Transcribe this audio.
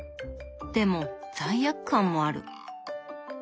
でも罪悪感もある。